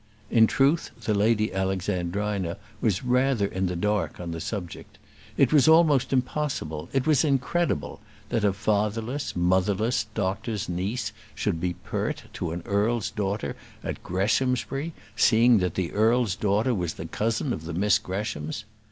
In truth, the Lady Alexandrina was rather in the dark on the subject. It was almost impossible, it was incredible, that a fatherless, motherless, doctor's niece should be pert to an earl's daughter at Greshamsbury, seeing that that earl's daughter was the cousin of the Miss Greshams.